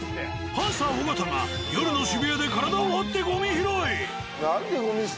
パンサー尾形が夜の渋谷で体を張ってゴミ拾い。